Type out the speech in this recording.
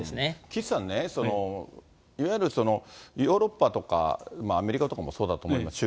岸さんね、いわゆるヨーロッパとかアメリカとかもそうだと思います、